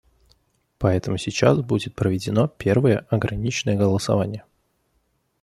Поэтому сейчас будет проведено первое ограниченное голосование.